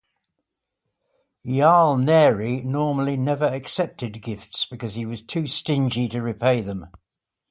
Jarl Neri normally never accepted gifts because he was too stingy to repay them.